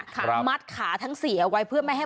ขามัดขาทั้งสี่เอาไว้